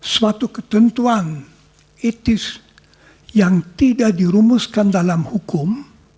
suatu ketentuan etis yang tidak dirumuskan dalam hukum